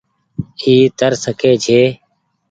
اي تر سڪي ڇي۔